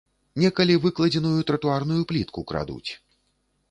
Некалі выкладзеную тратуарную плітку крадуць.